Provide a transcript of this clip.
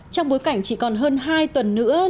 trong bối cảnh chỉ còn hơn hai tuần nữa